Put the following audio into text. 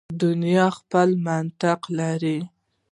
دنیا خپل منطق لري.